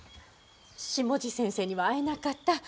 下地先生には会えなかった。